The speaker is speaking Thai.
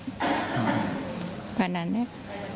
ขอเงินจากคุณแม่ได้หรอ